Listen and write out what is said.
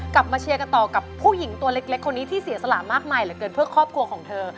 กลับมาเชียร์กันต่อกับผู้หญิงตัวเล็กคนนี้ที่เสียสละมากมายเหลือเกินเพื่อครอบครัวของเธอ